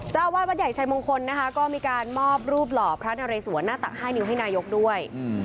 เจ้าอาวาสวัดใหญ่ชายมงคลนะคะก็มีการมอบรูปหล่อพระนเรสวนหน้าตัก๕นิ้วให้นายกด้วย